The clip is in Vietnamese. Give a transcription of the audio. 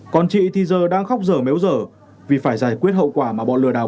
còn chị thì giờ đang khóc dở méo dở vì phải giải quyết hậu quả mà bọn lừa đảo